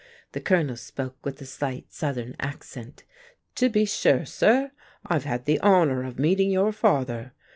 The Colonel spoke with a slight Southern accent. "To be sure, sir. I've had the honour of meeting your father.